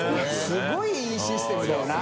すごいいいシステムだよな。